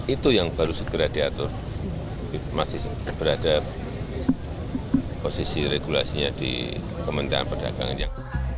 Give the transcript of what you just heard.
itu yang baru segera diatur masih berada posisi regulasinya di kementerian perdagangan yang